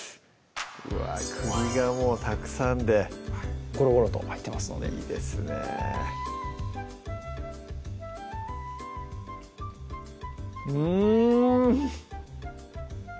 うわぁ栗がもうたくさんでゴロゴロと入ってますのでいいですねうん！